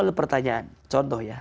kalau pertanyaan contoh ya